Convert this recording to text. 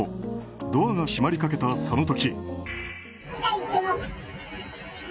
ドアが閉まりかけたその時。